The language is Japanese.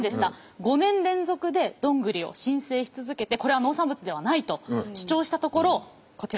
５年連続でドングリを申請し続けてこれは農産物ではないと主張したところこちら。